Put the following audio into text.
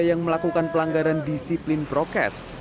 yang melakukan pelanggaran disiplin prokes